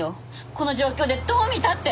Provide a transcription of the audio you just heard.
この状況でどう見たって！